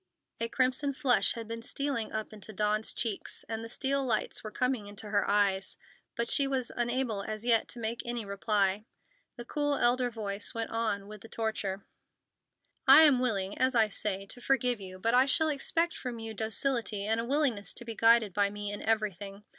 A crimson flush had been stealing up into Dawn's cheeks, and the steel lights were coming into her eyes, but she was unable as yet to make any reply. The cool elder voice went on with the torture: "I am willing, as I say, to forgive you, but I shall expect from you docility and a willingness to be guided by me in everything.